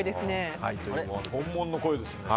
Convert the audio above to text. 本物の声ですね。